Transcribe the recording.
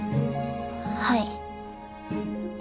はい。